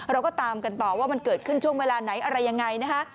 เราก็ตามกันต่อว่ามันเกิดขึ้นช่วงเวลาไหนอะไรยังไงนะคะ